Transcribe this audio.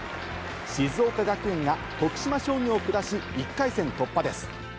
静岡学園が徳島商業を下し、１回戦突破です。